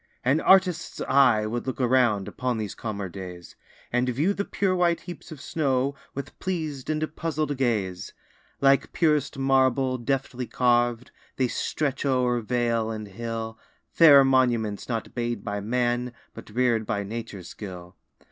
An artist's eye would look around, Upon these calmer days, And view the pure white heaps of snow, With pleas'd and puzzl'd gaze. Like purest marble, deftly carv'd, They stretch o'er vale and hill, Fair monuments, not made by man, But rear'd by nature's skill.